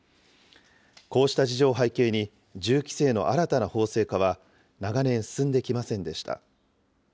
こうした事情を背景に、銃規制の新たな法制化は長年進んできませんでした。